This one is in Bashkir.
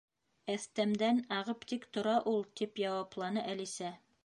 —Әҫтәмдән ағып тик тора ул, —тип яуапланы Әлисә.